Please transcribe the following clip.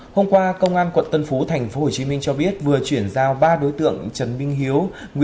hôm qua công an quận tân phú tp hcm cho biết vừa chuyển giao ba đối tượng trần minh hiếu